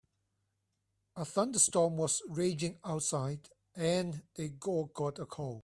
A thunderstorm was raging outside and they all got a cold.